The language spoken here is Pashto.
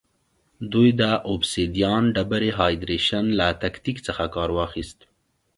دوی د اوبسیدیان ډبرې هایدرېشن له تکتیک څخه کار واخیست